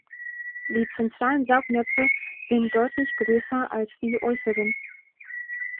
Die zentralen Saugnäpfe sind deutlich größer als die äußeren.